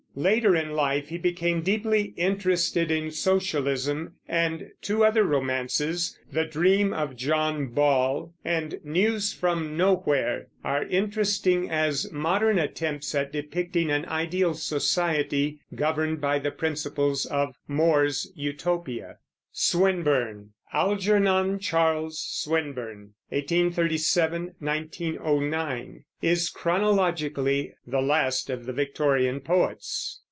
Later in life he became deeply interested in socialism, and two other romances, The Dream of John Ball and News from Nowhere, are interesting as modern attempts at depicting an ideal society governed by the principles of More's Utopia. SWINBURNE. Algernon Charles Swinburne (1837 1909) is, chronologically, the last of the Victorian poets.